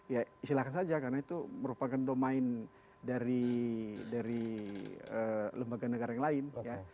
ya silahkan saja karena itu merupakan domain dari lembaga negara yang lain ya